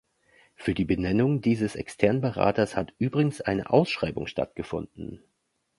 Für die Benennung dieses externen Beraters hat übrigens eine Ausschreibung stattgefunden.